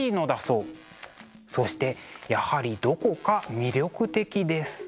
そしてやはりどこか魅力的です。